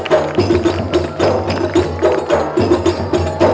dari bandung presidentika